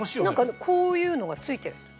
なんかこういうのがついてる。